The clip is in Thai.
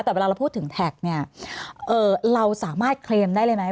แต่เวลาเราพูดถึงแท็กเนี่ยเราสามารถเคลมได้เลยไหม